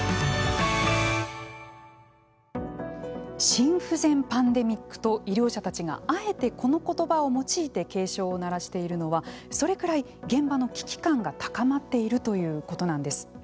心不全パンデミックと医療者たちがあえてこの言葉を用いて警鐘を鳴らしているのはそれくらい現場の危機感が高まっているということなんです。